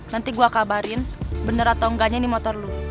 nanti gue kabarin benar atau enggaknya ini motor lo